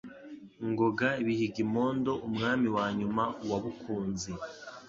Ngoga Bihigimondo, Umwami wa nyuma wa Bukunzi